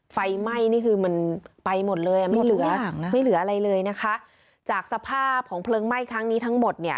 ไฟไหม้นี่คือมันไปหมดเลยอ่ะไม่เหลือไม่เหลืออะไรเลยนะคะจากสภาพของเพลิงไหม้ครั้งนี้ทั้งหมดเนี่ย